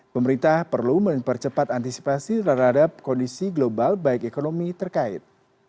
pemerintah perlu mempercepat antisipasi terhadap kondisi global baik ekonomi terkait